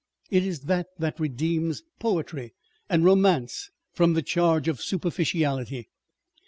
It is that that redeems poetry and romance from the charge of superficiality.